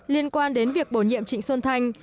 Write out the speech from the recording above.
liên quan đến việc bổ nhiệm trịnh xuân thành